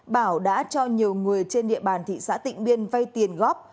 bảo đã cho nhiều người trên địa bàn thị xã tịnh biên vay tiền góp